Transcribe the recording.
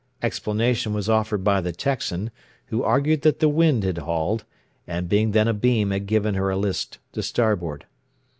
Explanation was offered by the Texan, who argued that the wind had hauled, and being then abeam had given her a list to starboard.